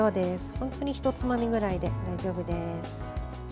本当に一つまみぐらいで大丈夫です。